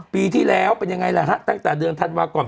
ปีที่แล้วเป็นยังไงล่ะฮะตั้งแต่เดือนธันวาก่อน